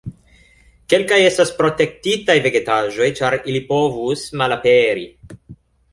Kelkaj estas protektitaj vegetaĵoj, ĉar ili povus malaperi.